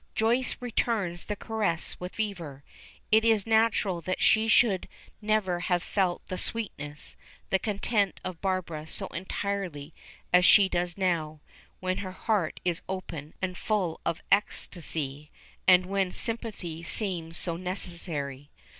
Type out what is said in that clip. Joyce returns the caress with fervor. It is natural that she should never have felt the sweetness, the content of Barbara so entirely as she does now, when her heart is open and full of ecstasy, and when sympathy seems so necessary.